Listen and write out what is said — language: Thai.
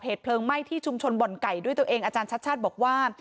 เพลิงไหม้ที่ชุมชนบ่อนไก่ด้วยตัวเองอาจารย์ชัดชาติบอกว่า